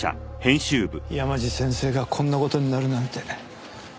山路先生がこんな事になるなんて。